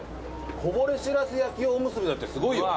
こぼれしらす焼きおむすびだってすごいよ。